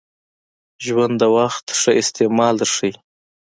ژوند د وخت ښه استعمال در ښایي .